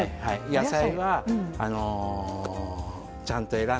野菜はちゃんと選んで。